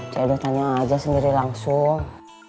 cik edo tanya aja sendiri langsung